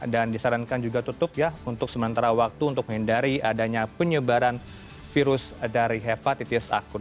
dan disarankan juga tutup ya untuk sementara waktu untuk menghindari adanya penyebaran virus dari hepatitis akut